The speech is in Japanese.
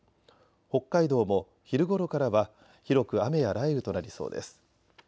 北海道も昼ごろからは広く雨や雷雨となりそうです。